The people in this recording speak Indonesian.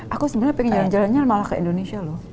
aku sebenarnya pengen jalan jalannya malah ke indonesia loh